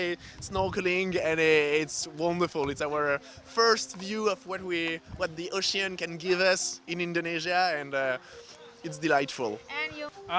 ini adalah pandangan pertama kami tentang apa yang bisa diberikan laut di indonesia dan itu sangat menyenangkan